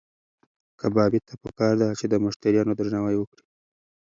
کبابي ته پکار ده چې د مشتریانو درناوی وکړي.